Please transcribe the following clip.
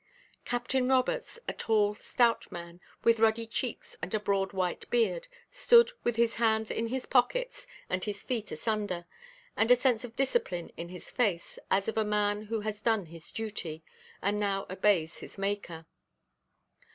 Captain Roberts, a tall, stout man, with ruddy cheeks and a broad white beard, stood with his hands in his pockets, and his feet asunder, and a sense of discipline in his face, as of a man who has done his duty, and now obeys his Maker.